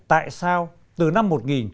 tại sao từ năm một nghìn chín trăm bốn mươi năm